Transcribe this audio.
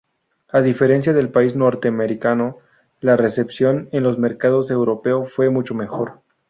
A diferencia del país norteamericano, la recepción en los mercados europeo fue mucho mejor.